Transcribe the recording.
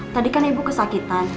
tadi kan ibu kesakitan